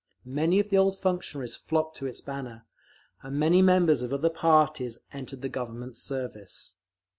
Many of the old functionaries flocked to its banner, and many members of other parties entered the Government service.